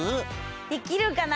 できるかな？